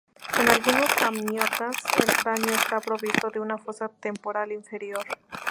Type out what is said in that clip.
En algunos amniotas, el cráneo está provisto de una fosa temporal inferior.